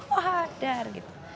wah hadar gitu